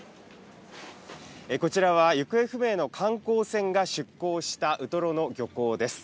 こちらは行方不明の観光船が出港したウトロの漁港です。